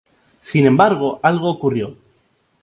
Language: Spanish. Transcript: Sin embargo, algo ocurrió.